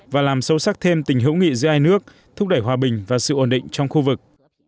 và làm sâu sắc thêm tình hữu nghị giữa hai nước thúc đẩy hòa bình và sự ổn định trong khu vực